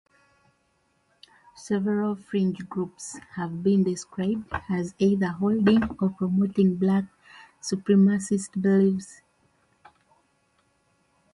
Several fringe groups have been described as either holding or promoting black supremacist beliefs.